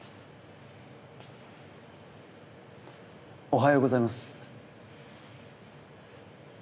おはようございます。